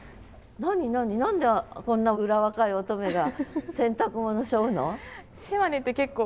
何でこんなうら若い乙女が洗濯物背負うの？